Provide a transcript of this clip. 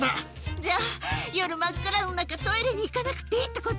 じゃあ、夜、真っ暗の中、トイレに行かなくっていいってこと？